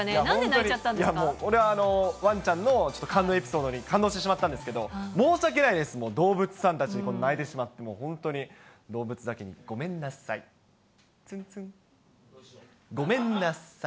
いや、もうこれはワンちゃんのちょっと感動エピソードに感動してしまったんですけど、申し訳ないです、動物さんたちに泣いてしまってもう、本当に、動物だけにごめんなさい。